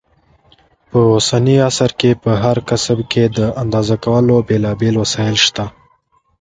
په اوسني عصر کې په هر کسب کې د اندازه کولو بېلابېل وسایل شته.